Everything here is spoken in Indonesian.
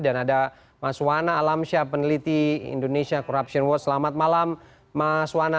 dan ada mas wana alamsya peneliti indonesia corruption watch selamat malam mas wana